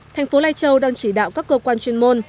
thành phố lai châu đang chỉ đạo các cơ quan chuyên môn